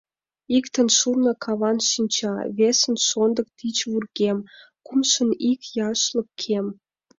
Иктын шурно каван шинча, весын шондык тич вургем, кумшын ик яшлык кем.